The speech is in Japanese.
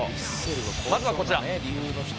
まずはこちら。